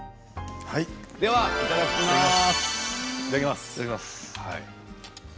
では、いただきます。